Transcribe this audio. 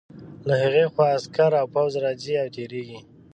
له هغې خوا عسکر او پوځ راځي او تېرېږي.